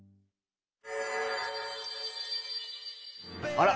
あら。